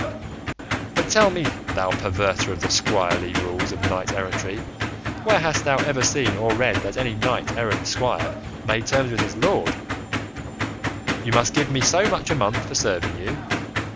But tell me, thou perverter of the squirely rules of knight errantry, where hast thou ever seen or read that any knight errant's squire made terms with his lord, 'you must give me so much a month for serving you'?